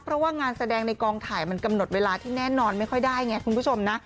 เพราะว่างานแสดงในกองถ่ายมันกำหนดเวลาที่แน่นอนไม่ค่อยได้ไงคุณผู้ชมนะ